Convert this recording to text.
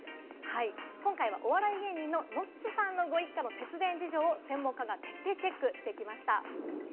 今回はお笑い芸人のノッチさんのご一家の節電事情を専門家が徹底チェックしてきました。